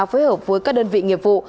phối hợp với các đơn vị nghiệp vụ